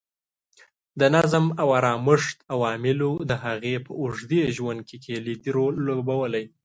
د نظم او ارامښت عواملو د هغې په اوږد ژوند کې کلیدي رول لوبولی.